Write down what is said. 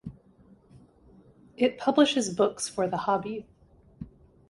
It publishes books for the hobby.